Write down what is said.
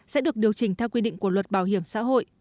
sẽ được điều chỉnh theo quy định của luật bảo hiểm xã hội